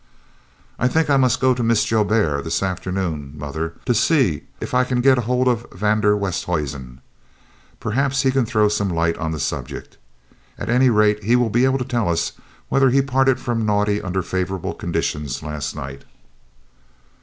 "I think I must go to Mrs. Joubert this afternoon, mother, to see if I can get hold of van der Westhuizen. Perhaps he can throw some light on the subject. At any rate he will be able to tell us whether he parted from Naudé under favourable conditions last night."